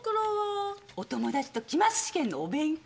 お友達と期末試験のお勉強。